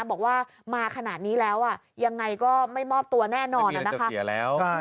บอกว่ามาขนาดนี้แล้วอ่ะยังไงก็ไม่มอบตัวแน่นอนนะคะ